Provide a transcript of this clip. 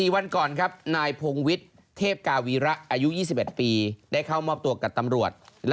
๔วันก่อนครับนายพงวิทย์เทพกาวีระอายุ๒๑ปีได้เข้ามอบตัวกับตำรวจ